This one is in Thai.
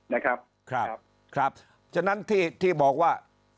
นะครับครับครับฉะนั้นที่ที่บอกว่า